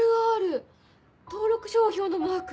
登録商標のマーク！